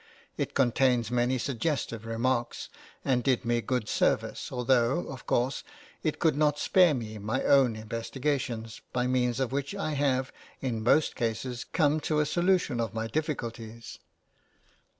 It contains many suggestive remarks, and did me good service, although, of course, it could not spare me my own investigations, by means of which I have, in most cases, come to a solution of my difficulties.